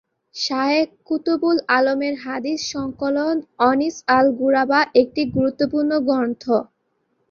শায়খ কুতব-উল আলমের হাদীস সংকলন অনীস-উল-গুরাবা একটি গুরুত্বপূর্ণ গ্রন্থ।